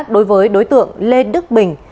đối với đối tượng lê đức bình